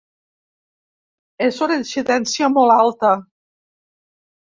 És una incidència molt alta.